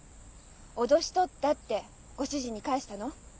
「脅し取った」ってご主人に返したの？